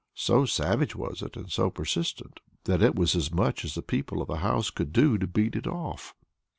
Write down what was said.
So savage was it, and so persistent, that it was as much as the people of the house could do to beat it off.